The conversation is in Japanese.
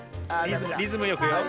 リズムよくよ。